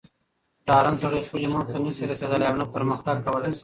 ډارن سړئ خپلي موخي ته نه سي رسېدلاي اونه پرمخ تګ کولاي سي